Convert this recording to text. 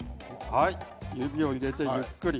指を入れて、しっかり。